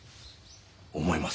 思います。